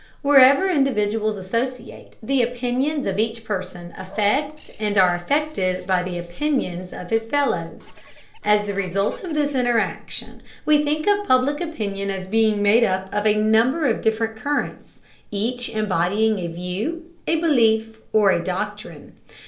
Wherever individuals associate, the opinions of each person affect and are affected by the opinions of his fellows. As the result of this interaction we think of public opinion as being made up of a number of different currents, each embodying a view, a belief, or a doctrine.